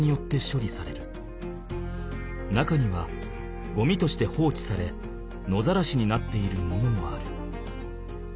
中にはゴミとして放置され野ざらしになっているものもある。